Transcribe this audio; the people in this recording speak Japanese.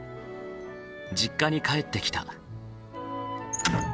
実家に帰ってきた。